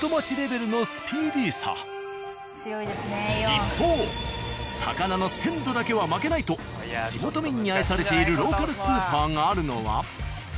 一方魚の鮮度だけは負けないと地元民に愛されているローカルスーパーがあるのは。